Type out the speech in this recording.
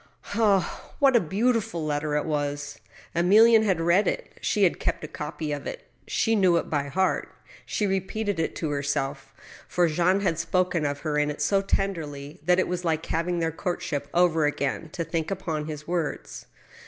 Ah, what a beautiful letter it was ! Emilienne had read it ; she had kept a copy of it. She knew it by heart. She repeated it to herself, for Jean had spoken of her in it so tenderly that it was like having their courtship over again to think upon his words.